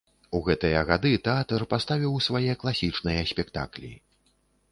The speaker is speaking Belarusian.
У гэтыя гады тэатр паставіў свае класічныя спектаклі.